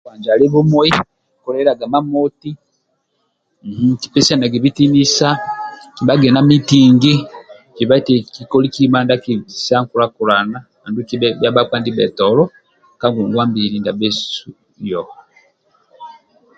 Ndia kokubanja ali bumui koliliaga imamoti ipesianage bitinisa kikolage mitingi kibe eti kikoli kima ndia akibikisa nkulakulana andulu kibha bhia bhakpa ndibhetolo ka ngongwa mbili ndiasu yoho